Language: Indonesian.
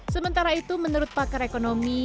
sementara itu menurut pakar ekonomi